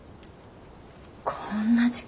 こんな時間に？